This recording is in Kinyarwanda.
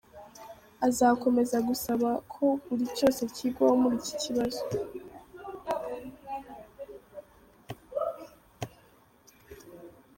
Azakomeza gusaba ko buri cyose kigwaho muri iki kibazo.